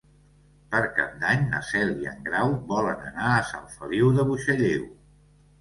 Per Cap d'Any na Cel i en Grau volen anar a Sant Feliu de Buixalleu.